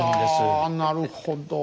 はあなるほど。